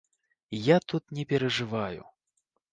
Я тут не перажываю.